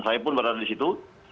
saya pun berada di situ